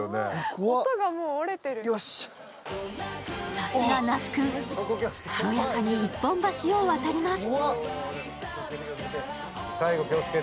さすが那須君、軽やかに一本橋を渡ります。